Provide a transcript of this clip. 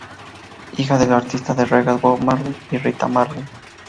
Hija del artista de reggae Bob Marley y Rita Marley.